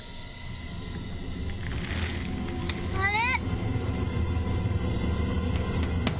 あれ。